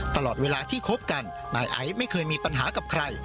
ตลอดเวลาที่คบกันนายไอซ์ไม่เคยมีปัญหากับใคร